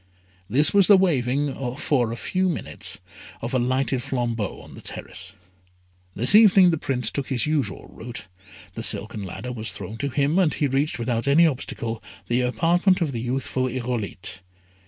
This was the waving, for a few minutes, of a lighted flambeau on the terrace. This evening the Prince took his usual route, the silken ladder was thrown to him, and he reached, without any obstacle, the apartment of the youthful Irolite.